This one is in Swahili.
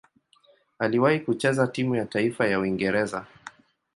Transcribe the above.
Aliwahi kucheza timu ya taifa ya Uingereza.